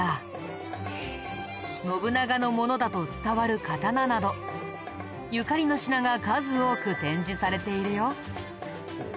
信長のものだと伝わる刀などゆかりの品が数多く展示されているよ。